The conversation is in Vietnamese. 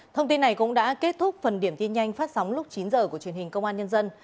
thông tin này cũng đã kết thúc phần điểm tin nhanh phát sóng lúc chín h của truyền hình công an nhân dân